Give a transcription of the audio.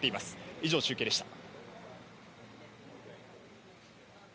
以上、中継でした。